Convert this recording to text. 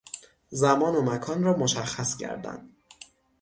زمان و مکان را مشخص کردن